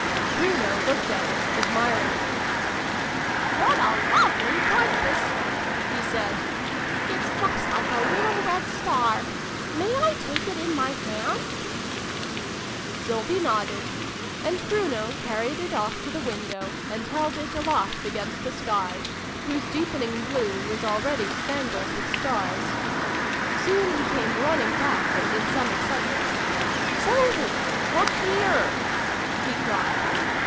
Bruno looked at it admiringly. " What a lovely brightness !" he said. " It's just like a little red star ! May I take it in my hand ?" Sylvie nodded : and Bruno carried it off to the window, and held it aloft against the sky, whose deepening blue was already spangled with stars. Soon he came running back in some excitement. "Sylvie! Look here!" he cried.